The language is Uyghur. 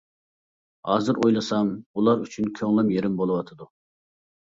ھازىر ئويلىسام ئۇلار ئۈچۈن كۆڭلۈم يېرىم بولۇۋاتىدۇ.